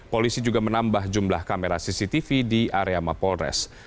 polisi juga menambah jumlah kamera cctv di area mapolres